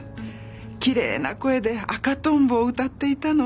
きれいな声で『赤とんぼ』を歌っていたのを。